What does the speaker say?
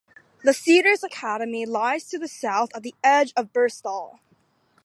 The Cedars Academy lies to the south at the edge of Birstall.